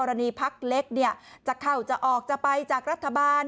เรื่องกรณีพักเล็กเนี่ยจะเข้าจะออกจะไปจากรัฐบาล